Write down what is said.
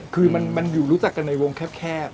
คือมันอยู่รู้จักกันในวงแคบ